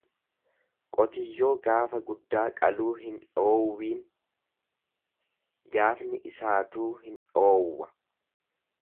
Qotiyyoo gaafa guddaa qaluu hin dhoowwiin gaafni isaatuu hin dhoowwa.